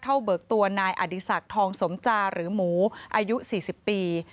เบิกตัวนายอดีศักดิ์ทองสมจาหรือหมูอายุ๔๐ปี